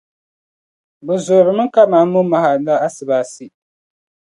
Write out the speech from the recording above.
Bɛ zoorimi kaman momaha la asibaasi.